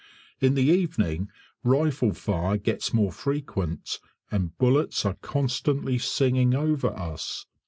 In the evening rifle fire gets more frequent, and bullets are constantly singing over us.